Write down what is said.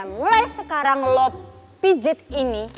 mulai sekarang lob pijit ini